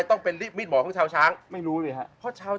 เหมือนเล็บแต่ของห้องเหมือนเล็บตลอดเวลา